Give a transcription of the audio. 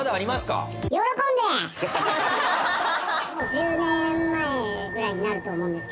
「１０年前ぐらいになると思うんですけど」